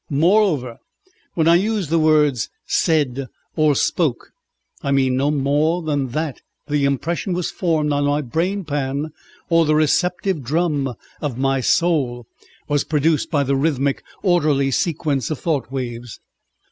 Moreover, when I use the words "said" or "spoke," I mean no more than that the impression was formed on my brain pan or the receptive drum of my soul, was produced by the rhythmic, orderly sequence of thought waves.